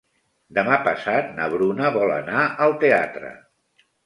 Demà passat na Bruna vol anar al teatre.